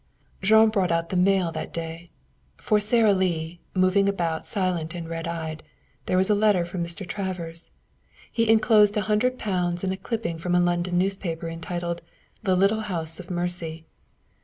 Jean brought out the mail that day. For Sara Lee, moving about silent and red eyed, there was a letter from Mr. Travers. He inclosed a hundred pounds and a clipping from a London newspaper entitled The Little House of Mercy.